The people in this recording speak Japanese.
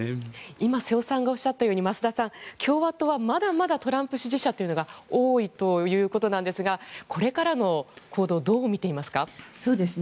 今、瀬尾さんがおっしゃったように増田さん、共和党はまだまだトランプ支持者が多いということなんですがこれからの行動をどう見ていますか？